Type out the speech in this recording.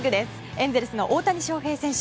エンゼルスの大谷翔平選手